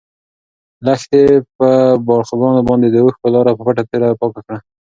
لښتې په خپلو باړخوګانو باندې د اوښکو لاره په پټه تېره پاکه کړه.